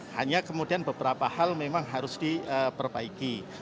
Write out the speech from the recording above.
hanya kemudian beberapa hal memang harus diperbaiki